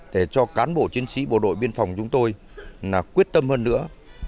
để cho cán bộ chiến sĩ bộ đội biên phòng chúng tôi quyết tâm hơn nữa